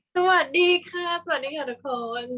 สวัสดีค่ะสวัสดีค่ะทุกคน